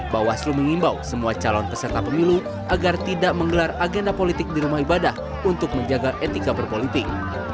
bawaslu mengimbau semua calon peserta pemilu agar tidak menggelar agenda politik di rumah ibadah untuk menjaga etika berpolitik